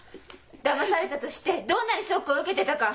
だまされたと知ってどんなにショックを受けてたか。